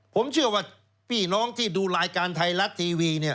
ผมเชื่อว่าพี่น้องที่ดูรายการไทยรัฐทีวีเนี่ย